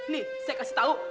nih saya kasih tahu